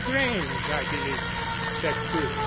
Grange, I believe?" said Crewe.